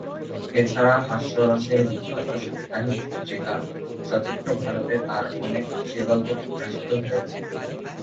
এছাড়া হাস্যরসের বিখ্যাত সাপ্তাহিক পত্রিকা 'সচিত্র ভারত' -এ তার অনেক হাসির গল্প প্রকাশিত হয়েছে।